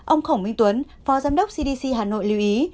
ông khổng minh tuấn phó giám đốc cdc hà nội lưu ý